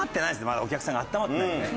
まだお客さんがあったまってないんでね。